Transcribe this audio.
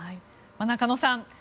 中野さん